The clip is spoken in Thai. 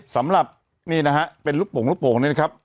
สำหรับนี่นะฮะเป็นลูกโปรงนี่นะครับ